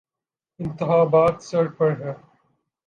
انتخابات سر پہ ہیں۔